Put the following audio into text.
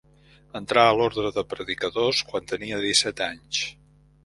Entrà a l'Orde de Predicadors quan tenia disset anys.